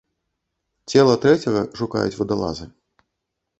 Цела трэцяга шукаюць вадалазы.